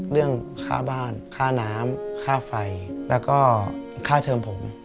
เรื่องค่าบ้านค่าน้ำค่าไฟแล้วก็ค่าเทิมผม